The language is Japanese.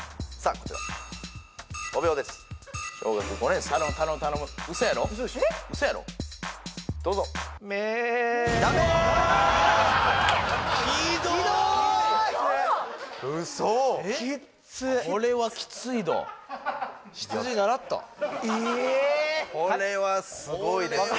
これはすごいですね